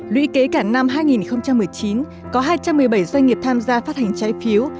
lũy kế cả năm hai nghìn một mươi chín có hai trăm một mươi bảy doanh nghiệp tham gia phát hành trái phiếu